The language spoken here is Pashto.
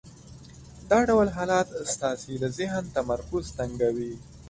دا ډول حالت ستاسې د ذهن تمرکز تنګوي.